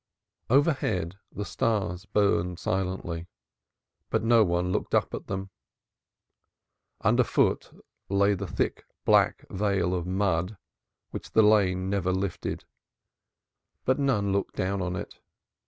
Overhead, the stars burned silently, but no one looked up at them. Underfoot, lay the thick, black veil of mud, which the Lane never lifted, but none looked down on it.